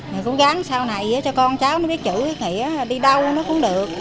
mình cố gắng sau này cho con cháu nó biết chữ nghĩa đi đâu nó cũng được